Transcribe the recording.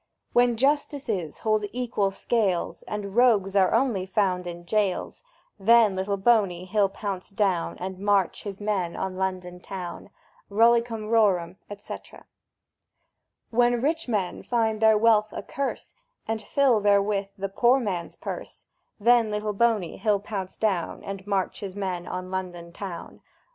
When Justices hold equal scales, And Rogues are only found in jails; Then Little Boney he'll pounce down, And march his men on London town! Rollicum rorum, &c. When Rich Men find their wealth a curse, And fill therewith the Poor Man's purse; Then Little Boney he'll pounce down, And march his men on London town!